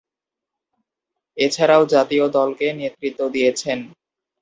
এছাড়াও জাতীয় দলকে নেতৃত্ব দিয়েছেন।